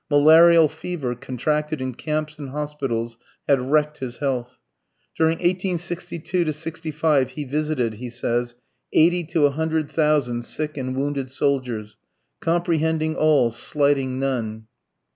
Malarial fever contracted in camps and hospitals had wrecked his health. During 1862 65 he visited, he says, eighty to a hundred thousand sick and wounded soldiers, comprehending all, slighting none.